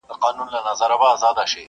ستا د کیږدۍ له ماښامونو سره لوبي کوي!